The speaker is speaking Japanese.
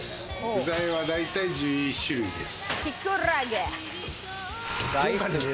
具材はだいたい１１種類です。